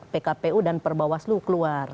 pkpu dan perbawaslu keluar